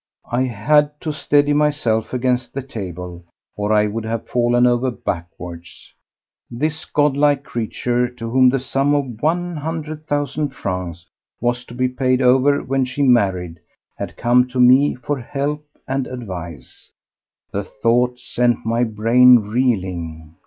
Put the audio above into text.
I had to steady myself against the table or I would have fallen over backwards! This godlike creature, to whom the sum of one hundred thousand francs was to be paid over when she married, had come to me for help and advice! The thought sent my brain reeling!